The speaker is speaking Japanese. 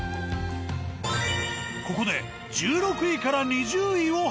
ここで１６位から２０位を発表。